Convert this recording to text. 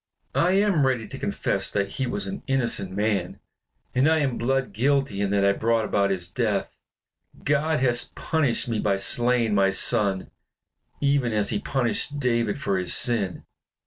I am ready to confess that he was an innocent man; and I am blood guilty in that I brought about his death. God hath punished me by slaying my son, even as he punished David for his sin.